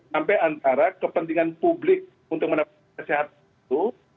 sampai antara kepentingan publik untuk mendapatkan kesehatan itu